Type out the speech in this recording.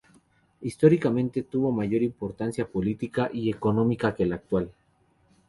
Históricamente tuvo mayor importancia política y económica que la actual.